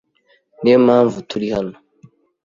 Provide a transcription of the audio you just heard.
Niyo mpamvu turi hano.